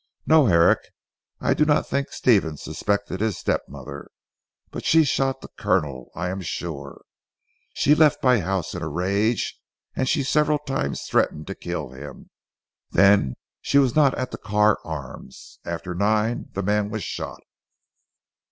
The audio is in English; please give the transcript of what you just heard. No Herrick, I do not think Stephen suspected his step mother. But she shot the Colonel I am sure. She left my house in a rage and she several times threatened to kill him. Then she was not at the Carr Arms. After nine the man was shot."